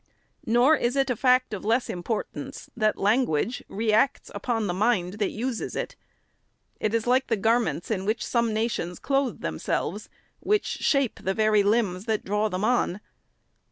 Nor is it a fact of less importance, that language re acts upon the mind that uses it. It is like the garments in which some nations clothe themselves, which shape the very limbs that draw them on.